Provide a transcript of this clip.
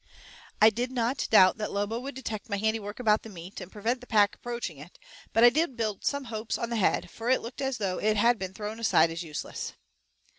I did not doubt that Lobo would detect my handiwork about the meat, and prevent the pack approaching it, but I did build some hopes on the head, for it looked as though it had been thrown aside as useless.